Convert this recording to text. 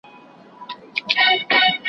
کرۍ ورځ یې وه پخوا اوږده مزلونه